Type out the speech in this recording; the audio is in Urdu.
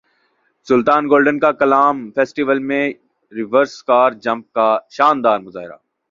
سلطان گولڈن کا کالام فیسٹیول میں ریورس کار جمپ کا شاندار مظاہرہ